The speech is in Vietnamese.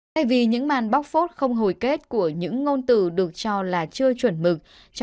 thay vì những màn bóc phốt không hồi kết của những ngôn từ được cho là chưa chuẩn mực